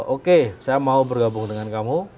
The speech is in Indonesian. oke saya mau bergabung dengan kamu